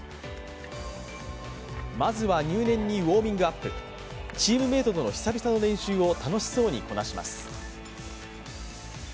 まずは、入念にウォーミッグアップチームメイトとの久々の練習を楽しそうにこなします。